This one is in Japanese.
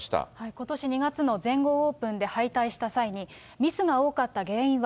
ことし２月の全豪オープンで敗退した際にミスが多かった原因は？